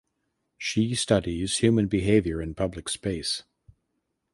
She studies human behavior in public space.